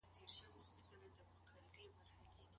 رسول الله به د واده په مراسمو کي کومه دعا کوله؟